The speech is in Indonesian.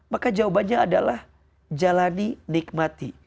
maka jawabannya adalah jalani nikmati